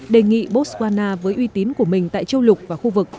đề nghị botswana với uy tín của mình tại châu lục và khu vực